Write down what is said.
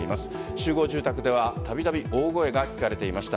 集合住宅ではたびたび大声が聞かれていました。